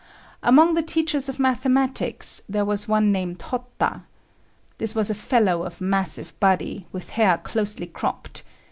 Among the teachers of mathematics, there was one named Hotta. This was a fellow of massive body, with hair closely cropped.